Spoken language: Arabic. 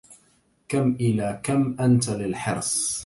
كم إلى كم أنت للحرص